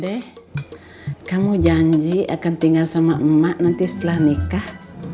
deh kamu janji akan tinggal sama emak nanti setelah nikah